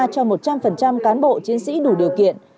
cho một trăm linh cán bộ chiến sĩ đủ điều kiện